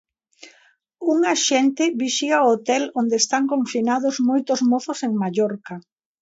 Un axente vixía o hotel onde están confinados moitos mozos en Mallorca.